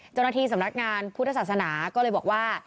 เจ้าหน้าที่สำนักงานพุทธศาสนาก็เลยบอกว่า